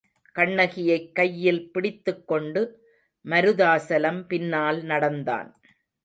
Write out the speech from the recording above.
கண்ணகியைக் கையில் பிடித்துக்கொண்டு மருதாசலம் பின்னால் நடந்தான்.